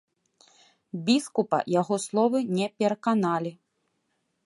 Біскупа яго словы не пераканалі.